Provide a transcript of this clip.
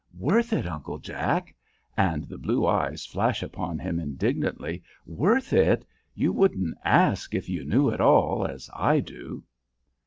"Worth it, Uncle Jack?" and the blue eyes flash upon him indignantly. "Worth it? You wouldn't ask if you knew it all, as I do."